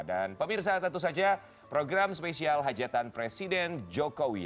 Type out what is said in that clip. dan pemirsa tentu saja program spesial hajatan presiden jokowi